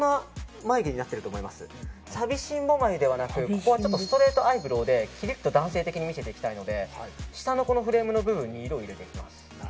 ここはストレートアイブローでキリッと男性的に見せていきたいので下のフレーム部分に色を入れていきます。